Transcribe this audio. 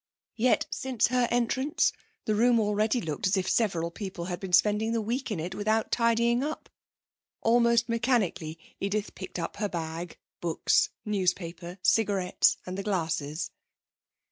Yet, since her entrance, the room already looked as if several people had been spending the week in it without tidying it up. Almost mechanically Edith picked up her bag, books, newspaper, cigarettes and the glasses.